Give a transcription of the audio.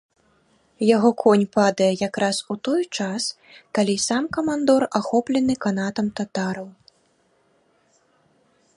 Яго конь падае якраз у той час, калі сам камандор ахоплены канатам татараў.